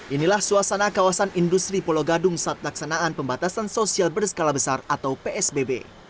inilah suasana kawasan industri pulau gadung saat laksanaan pembatasan sosial berskala besar atau psbb